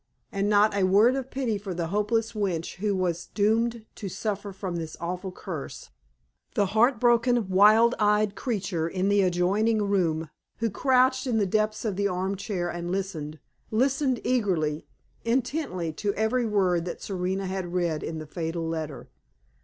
And not a word of pity for the hopeless wretch who was doomed to suffer from this awful curse; the heart broken, wild eyed creature in the adjoining room, who crouched in the depths of the arm chair and listened listened eagerly, intently, to every word that Serena had read in the fatal letter.